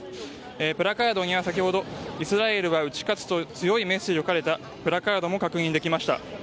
プラカードには先ほどイスラエルが打ち勝つと強いメッセージが書かれたプラカードも確認できました。